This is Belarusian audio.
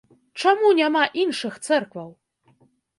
Чаму няма іншых цэркваў?